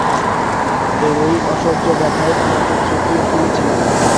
এরই অসহ্য ব্যথায় আমাকে খেপিয়ে তুলেছিল।